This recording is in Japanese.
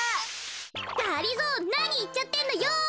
がりぞーなにいっちゃってんのよ。